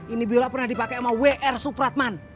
ini biola pernah dipake sama w r supratman